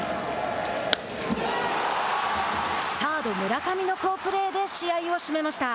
サード、村上の好プレーで試合を締めました。